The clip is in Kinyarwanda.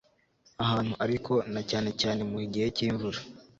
ahantu ariko, na cyane cyane mugihe cyimvura